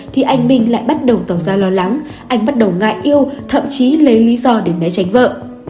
thì anh minh lại bắt đầu tỏ ra lo lắng anh bắt đầu ngại yêu thậm chí lấy lý do để né tránh vợ